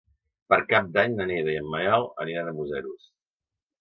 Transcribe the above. Per Cap d'Any na Neida i en Manel aniran a Museros.